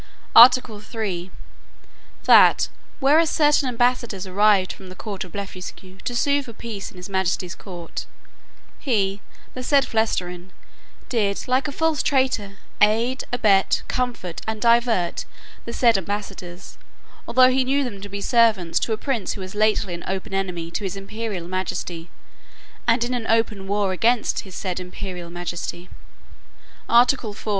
Article III. "'That, whereas certain ambassadors arrived from the Court of Blefuscu, to sue for peace in his majesty's court, he, the said Flestrin, did, like a false traitor, aid, abet, comfort, and divert, the said ambassadors, although he knew them to be servants to a prince who was lately an open enemy to his imperial majesty, and in an open war against his said majesty. Article IV.